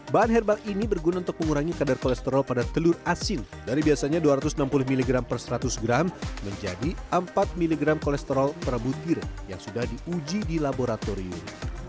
bahan herbal ini berguna untuk mengurangi kadar kolesterol pada telur asin dari biasanya dua ratus enam puluh mg per seratus gram menjadi empat mg kolesterol per butir yang sudah diuji di laboratorium